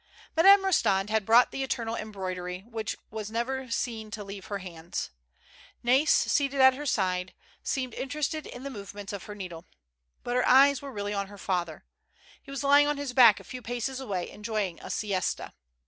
Madame Eostand had brought the eternal embroidery, which was never seen to leave her hands. Nais, seated at her side, seemed to be interested in the movements of her needle. But her eyes were really on her father. He was lying on his back a few paces away, enjoying a siesta.